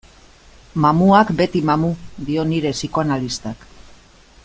Mamuak beti mamu, dio nire psikoanalistak.